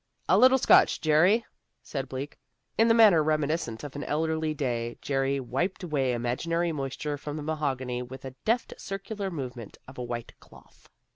"A little Scotch, Jerry," said Bleak. In the manner reminiscent of an elder day Jerry wiped away imaginary moisture from the mahogany with a deft circular movement of a white cloth.